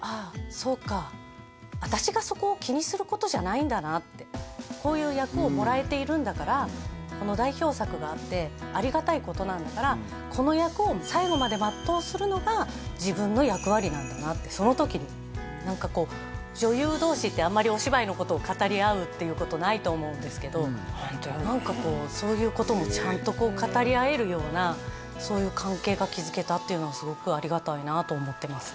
そうか私がそこを気にすることじゃないんだなってこういう役をもらえているんだからこの代表作があってありがたいことなんだからこの役を最後まで全うするのが自分の役割なんだなってその時に何かこう女優同士ってあんまりお芝居のことを語り合うっていうことないと思うんですけど何かこうそういうこともちゃんとこう語り合えるようなそういう関係が築けたっていうのはすごくありがたいなと思ってます